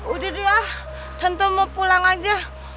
udah deh tante mau pulang aja